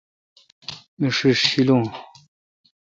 می ݭیݭ ݭیلون۔